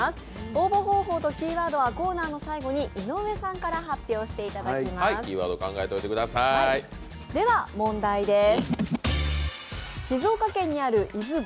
応募方法とキーワードはコーナーの最後に井上さんから発表していただきます。